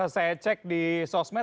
saya cek di sosmed